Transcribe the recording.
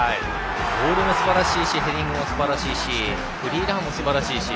ボールもすばらしいしヘディングもすばらしいしフリーランもすばらしいし